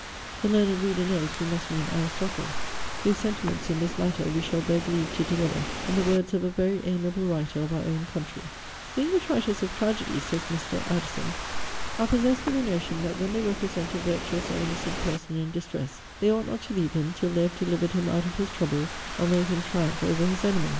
The learned reader knows we must mean ARISTOTLE; whose sentiments in this matter we shall beg leave to deliver in the words of a very amiable writer of our own country: 'The English writers of Tragedy,' says Mr. Addison,* 'are possessed with a notion, that when they represent a virtuous or innocent person in distress, they ought not to leave him till they have delivered him out of his troubles, or made him triumph over his enemies.